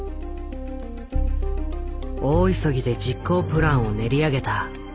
大急ぎで実行プランを練り上げた。